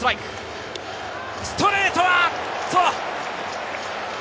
ストレートは。